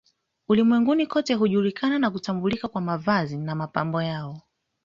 Ulimwenguni kote hujulikana na kutambulika kwa mavazi na mapambo yao